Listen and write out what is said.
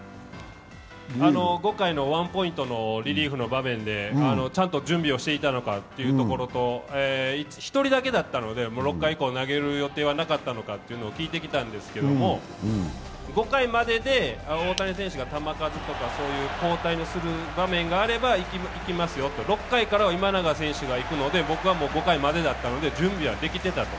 ５回のワンポイントリリーフの場面でちゃんと準備をしていたのかということと１人だけだったので、６回以降投げる予定はなかったのか聞いてきたんですけど、５回までで、大谷選手が球数とか、交代する場面があればいきますよと、６回からは今永選手がいくので僕はもう５回までだったので準備はしていたと。